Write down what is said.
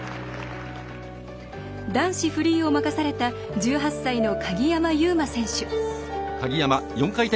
男子フリーを任された１８歳の鍵山優真選手。